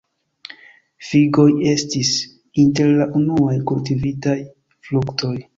Figoj estis inter la unuaj kultivitaj fruktoj.